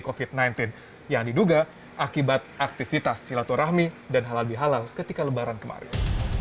covid sembilan belas yang diduga akibat aktivitas silaturahmi dan halal bihalal ketika lebaran kemarin